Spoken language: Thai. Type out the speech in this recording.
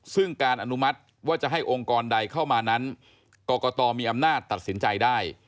ซึ่งการอนุมัติว่าจะให้องค์กรใดเข้ามานั้นกรกตมีอำนาจตัดสินใจได้